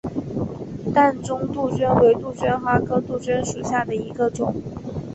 淡钟杜鹃为杜鹃花科杜鹃属下的一个种。